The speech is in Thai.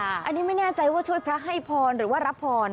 อันนี้ไม่แน่ใจว่าช่วยพระให้พรหรือว่ารับพร